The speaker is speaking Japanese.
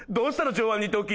上腕三頭筋。